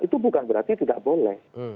itu bukan berarti tidak boleh